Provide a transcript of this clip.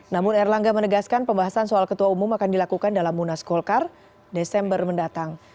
namun erlangga menegaskan pembahasan soal ketua umum akan dilakukan dalam munas golkar desember mendatang